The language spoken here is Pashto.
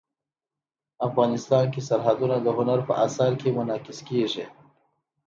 افغانستان کې سرحدونه د هنر په اثار کې منعکس کېږي.